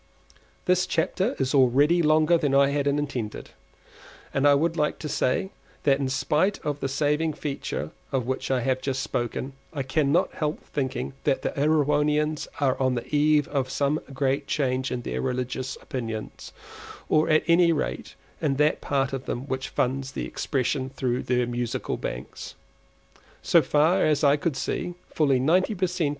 This chapter is already longer than I intended, but I should like to say that in spite of the saving feature of which I have just spoken, I cannot help thinking that the Erewhonians are on the eve of some great change in their religious opinions, or at any rate in that part of them which finds expression through their Musical Banks. So far as I could see, fully ninety per cent.